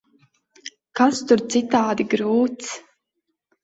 Kas tur citādi grūts?